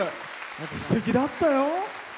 すてきだったよ！